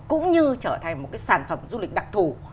cũng như trở thành một cái sản phẩm du lịch đặc thù